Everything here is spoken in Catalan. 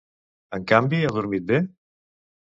En canvi, ha dormit bé?